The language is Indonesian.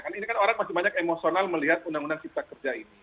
kan ini kan orang masih banyak emosional melihat undang undang cipta kerja ini